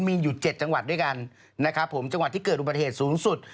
มีอยู่๗จังหวัดด้วยกันนะครับผมจังหวัดที่เกิดอุบัติเหตุสูงสุด